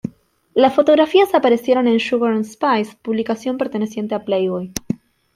Las fotografías aparecieron en "Sugar 'n' Spice", publicación perteneciente a Playboy.